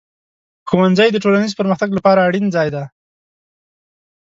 ښوونځی د ټولنیز پرمختګ لپاره اړین ځای دی.